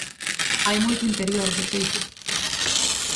Hai moito interior, de feito.